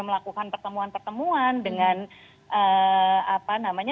melakukan pertemuan pertemuan dengan